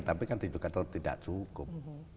tapi kan tidak cukup